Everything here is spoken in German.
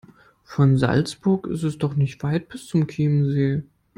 Von Salzburg ist es doch nicht weit bis zum Chiemsee.